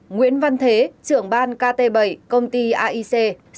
nguyễn văn thế trưởng ban kt bảy công ty aic